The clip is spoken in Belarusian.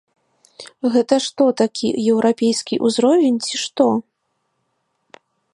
Гэта што такі еўрапейскі ўзровень, ці што?